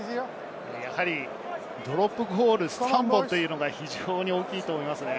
ドロップゴール３本というのが非常に大きいと思いますね。